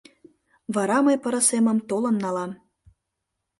Вара мый пырысемым толын налам.